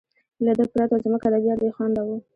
له ده پرته زموږ ادبیات بې خونده وي.